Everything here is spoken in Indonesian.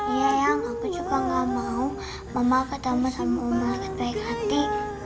iya eyang aku juga gak mau mama ketemu sama om malekat baik hati